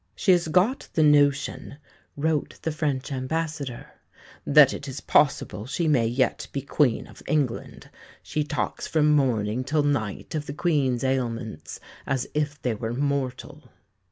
"She has got the notion," wrote the French Ambassador, "that it is possible she may yet be Queen of England. She talks from morning till night of the Queen's ailments as if they were mortal."